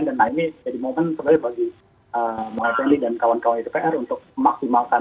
nah ini jadi momen sebenarnya bagi mwai peli dan kawan kawan dpr untuk memaksimalkan